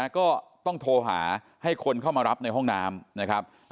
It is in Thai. ก็ต้องโทรหาให้คนเข้ามารับในห้องน้ำนะครับ